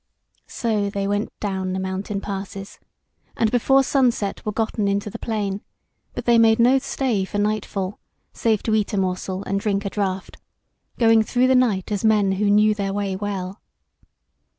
So they went down the mountain passes, and before sunset were gotten into the plain; but they made no stay for nightfall, save to eat a morsel and drink a draught, going through the night as men who knew their way well.